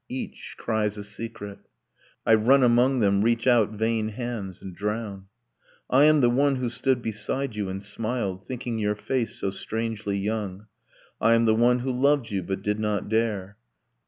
Each cries a secret. I run among them, reach out vain hands, and drown. 'I am the one who stood beside you and smiled, Thinking your face so strangely young ...' 'I am the one who loved you but did not dare.'